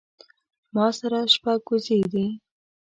ما سره شپږ وزې دي